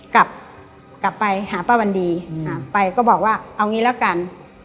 กลับไปหาป้าวันดีไปก็บอกว่าเอางี้แล้วกัน